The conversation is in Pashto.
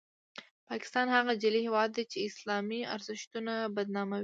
پاکستان هغه جعلي هیواد دی چې اسلامي ارزښتونه بدناموي.